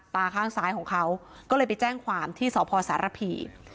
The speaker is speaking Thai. ตาข้างซ้ายของเขาก็เลยไปแจ้งความที่สพสารพี